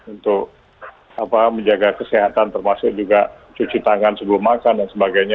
untuk menjaga kesehatan termasuk juga cuci tangan sebelum makan dan sebagainya